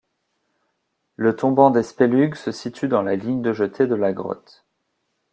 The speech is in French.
Le tombant des Spélugues se situe dans la ligne de jetée de la grotte.